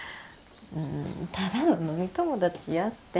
うんただの飲み友達やって。